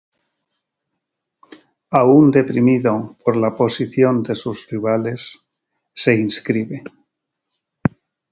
Aún deprimido por la posición de sus rivales, se inscribe.